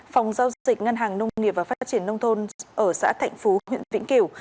phòng giao dịch ngân hàng nông nghiệp và phát triển nông thôn ở xã thạnh phú huyện vĩnh kiểu